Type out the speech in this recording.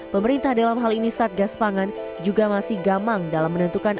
pemerintah dalam hal ini satgas pangan juga masih gamang dalam menentukan